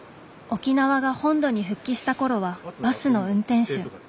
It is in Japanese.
沖縄が本土に復帰した頃はバスの運転手。